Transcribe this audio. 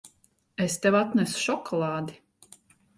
Es tev atnesu šokolādi.